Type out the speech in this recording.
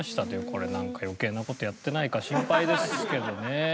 これなんか余計な事やってないか心配ですけどね。